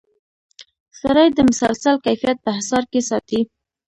سړی د مسلسل کیفیت په حصار کې ساتي.